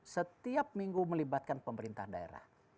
setiap minggu melibatkan pemerintah daerah